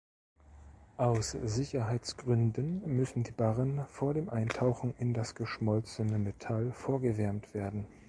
Aus Sicherheitsgründen müssen die Barren vor dem Eintauchen in das geschmolzene Metall vorgewärmt werden.